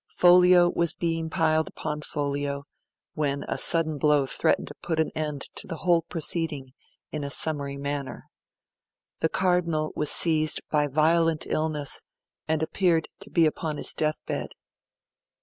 Folio was being piled upon folio, when a sudden blow threatened to put an end to the whole proceeding in a summary manner. The Cardinal was seized by violent illness, and appeared to be upon his deathbed.